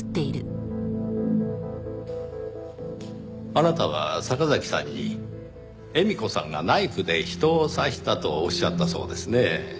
あなたは坂崎さんに絵美子さんがナイフで人を刺したとおっしゃったそうですねぇ。